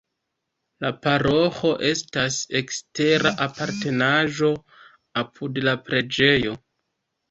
La paroĥo estas ekstera apartenaĵo apud la preĝejo.